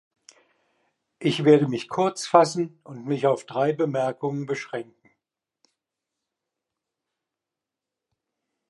Ich werde mich kurz fassen und mich auf drei Bemerkungen beschränken.